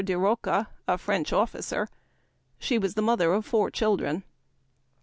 de Rocca, a French officer. She was the mother of four children.